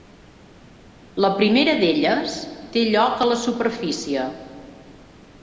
La primera d'elles té lloc a la superfície.